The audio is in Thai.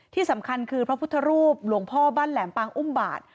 ที่สำคัญคือพระพุทธรูปหลวงพ่อบ้านแหลมปางอุ้มบาท